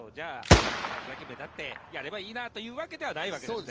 最初だけ目立ってやればいいなというわけではないわけですね。